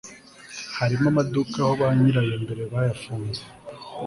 harimo amaduka aho ba nyirayo mbere bahafunze